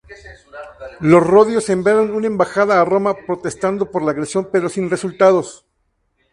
Los rodios enviaron una embajada a Roma, protestando por la agresión, pero sin resultado.